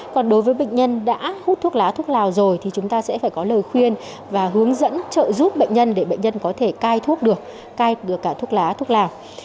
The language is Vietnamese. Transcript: còn đối với bệnh nhân đã hút thuốc lá thuốc lào rồi thì chúng ta sẽ phải có lời khuyên và hướng dẫn trợ giúp bệnh nhân để bệnh nhân có thể cai thuốc được cai được cả thuốc lá thuốc lào